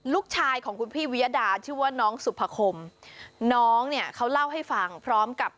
ลูกชายของคุณพี่วิยดาชื่อว่าน้องสุภคมน้องเนี่ยเขาเล่าให้ฟังพร้อมกับ